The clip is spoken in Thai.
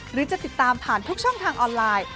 หรือจะติดตามผ่านทุกช่องทางออนไลน์